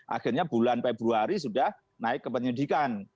akhirnya bulan februari sudah naik ke penyidikan